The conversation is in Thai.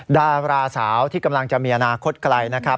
ดาราสาวที่กำลังจะมีอนาคตไกลนะครับ